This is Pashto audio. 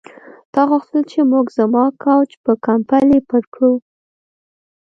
تا غوښتل چې موږ زما کوچ په کمپلې پټ کړو